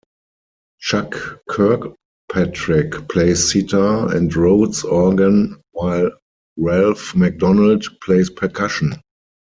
Chuck Kirkpatrick plays sitar and rhodes organ while Ralph McDonald plays percussion.